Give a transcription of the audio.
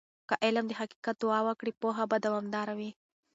که علم د حقیقت دعا وکړي، پوهه به دوامدار وي.